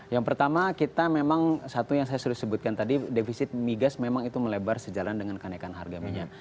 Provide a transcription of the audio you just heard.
yang pertama kita memang satu yang saya sudah sebutkan tadi defisit migas memang itu melebar sejalan dengan kenaikan harga minyak